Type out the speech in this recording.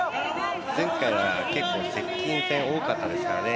前回は結構、接近戦多かったですからね